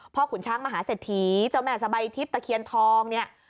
พ่อขุนช้างมหาเสธีเจ้าแม่สะใบทิพย์ตะเคียนทองเนี้ย